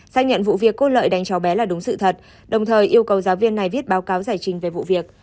xác nhận vụ việc cô lợi đánh cháu bé là đúng sự thật đồng thời yêu cầu giáo viên này viết báo cáo giải trình về vụ việc